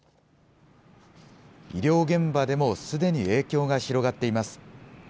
医療現場でもすでに影響が広がっています。